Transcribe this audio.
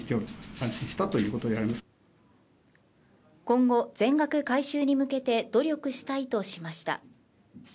今後、全額回収に向けて努力したいとしました。